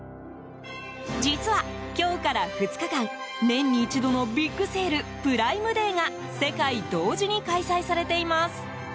実は、今日から２日間年に一度のビッグセールプライムデーが世界同時に開催されています。